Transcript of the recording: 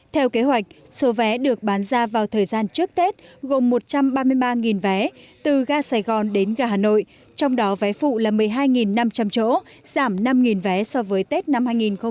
theo kế hoạch số vé được bán ra vào thời gian trước tết gồm một trăm ba mươi ba vé từ ga sài gòn đến ga hà nội trong đó vé phụ là một mươi hai năm trăm linh chỗ giảm năm vé so với tết năm hai nghìn hai mươi